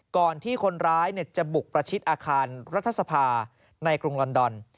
ก่อนที่คนร้ายจะบุกประชิดอาคารรัฐสภาในกรุงลอนดอน